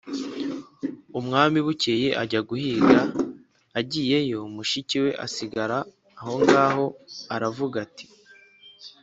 umwami bukeye ajya guhiga, agiyeyo, mushiki we asigara aho ngaho, aravuga ati: